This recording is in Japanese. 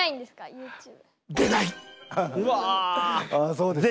そうですか。